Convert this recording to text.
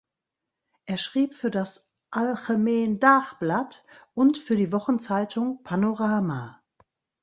Er schrieb für das "Algemeen Dagblad" und für die Wochenzeitung "Panorama".